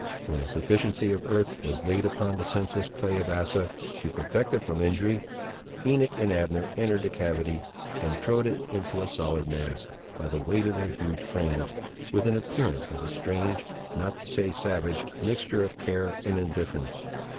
When a sufficiency of earth was laid upon the senseless clay of Asa, to protect it from injury, Enoch and Abner entered the cavity, and trode it into a solid mass, by the weight of their huge frames, with an appearance of a strange, not to say savage, mixture of care and indifference.